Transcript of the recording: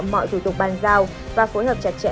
mọi thủ tục bàn giao và phối hợp chặt chẽ